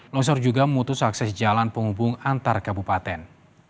longsor juga memutus akses jalan penghubung antar kabupaten